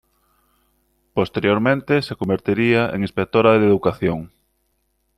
Posteriormente, se convertiría en inspectora de educación.